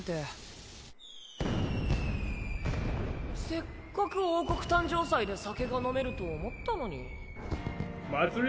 せっかく王国誕生祭で酒が飲めると思祭り